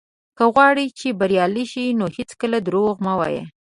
که غواړې چې بريالی شې، نو هېڅکله دروغ مه وايه.